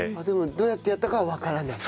でもどうやってやったかはわからない？